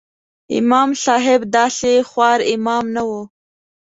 امام صاحب داسې خوار امام نه و.